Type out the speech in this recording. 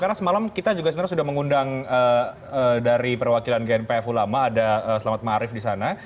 karena semalam kita juga sebenarnya sudah mengundang dari perwakilan gnpf ulama ada selamat ma'arif di sana